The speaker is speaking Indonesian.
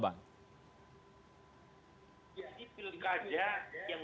ini pilkada yang